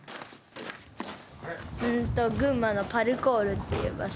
群馬のパルコールっていう場所に。